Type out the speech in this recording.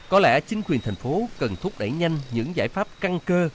có lẽ chính quyền thành phố cần thúc đẩy nhanh những giải pháp căn cơ